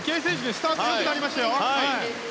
スタートよくなりましたよ。